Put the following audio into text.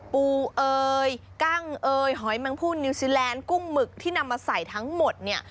ปูเอยกั้งเอ่ยหอยแมงพู่นนิวซีแลนด์กุ้งหมึกที่นำมาใส่ทั้งหมดเนี่ย